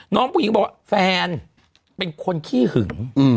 น้องผู้หญิงบอกว่าแฟนเป็นคนขี้หึง